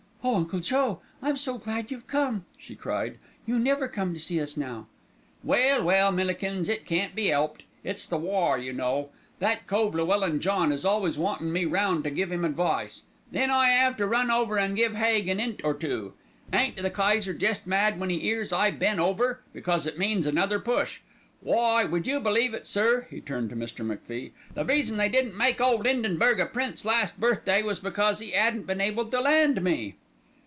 "Oh, Uncle Joe, I'm so glad you've come," she cried. "You never come to see us now." "Well, well, Millikins, it can't be 'elped. It's the war, you know. That cove Llewellyn John is always wantin' me round to give 'im advice. Then I 'ave to run over an' give Haig an 'int or two. Ain't the Kayser jest mad when 'e 'ears I been over, because it means another push. Why, would you believe it, sir," he turned to Mr. MacFie, "the reason they didn't make ole 'Indenburg a prince last birthday was because 'e 'adn't been able to land me.